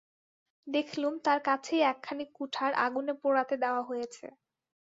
দেখলুম, তার কাছেই একখানি কুঠার আগুনে পোড়াতে দেওয়া হয়েছে।